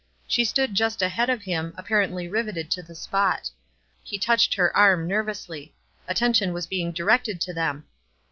She stood just ahead of him, ap parently riveted to the spot. He touched her arm nervously ; attention was being directed to them.